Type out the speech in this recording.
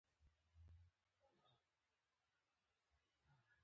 خو د اندازې له ټاکلو پرته راکړه ورکړه په هغه وخت کې ناشونې وه.